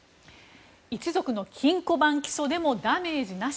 一族の金庫番起訴でもダメージなし。